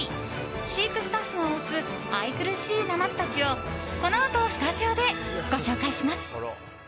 飼育スタッフが推す愛くるしいナマズたちをこのあとスタジオでご紹介します。